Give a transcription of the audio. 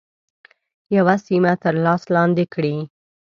یوه سیمه تر لاس لاندي کړي.